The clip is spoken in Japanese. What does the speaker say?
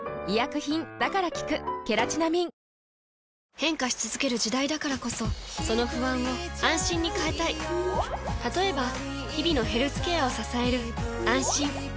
変化し続ける時代だからこそその不安を「あんしん」に変えたい例えば日々のヘルスケアを支える「あんしん」